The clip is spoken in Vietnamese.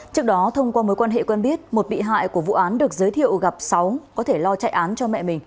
trước đó thông qua mối quan hệ quen biết một bị hại của vụ án được giới thiệu gặp sáu có thể lo chạy án cho mẹ mình